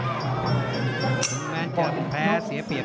แม้จะแพ้เสียเปรียบ